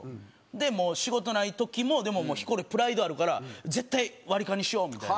でもう仕事ない時もヒコロヒープライドあるから絶対割り勘にしようみたいな。